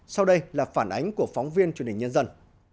sau đây là phản ánh của phóng viên truyền hình nhân dân